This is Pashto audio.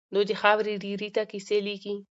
دوی د خاورو ډېري ته کيسې ليکي.